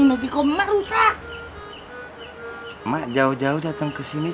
emak jauh jauh dateng kesini